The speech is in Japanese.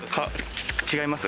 違います？